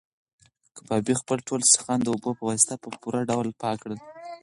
کبابي خپل ټول سیخان د اوبو په واسطه په پوره ډول پاک کړل.